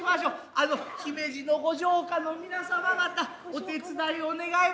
あの姫路の御城下の皆様方お手伝いを願えますか。